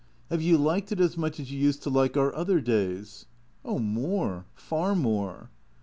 " Have you liked it as much as you used to like our other days ?"" Oh more, far more."